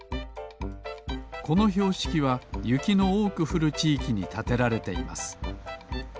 このひょうしきはゆきのおおくふるちいきにたてられています。